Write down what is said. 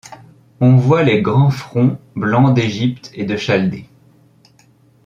On voit les grands fronts blancs d’Égypte et de Chaldée ;